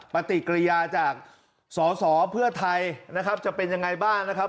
ปฏิกิริยาจากสอสอเพื่อไทยนะครับจะเป็นยังไงบ้างนะครับ